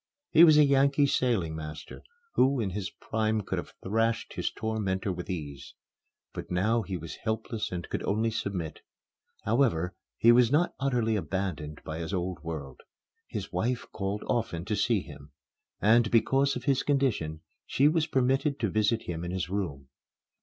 He was a Yankee sailing master, who in his prime could have thrashed his tormentor with ease. But now he was helpless and could only submit. However, he was not utterly abandoned by his old world. His wife called often to see him; and, because of his condition, she was permitted to visit him in his room.